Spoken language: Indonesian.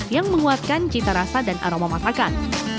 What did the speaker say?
yang menguatkan cita rasa dan aroma masakan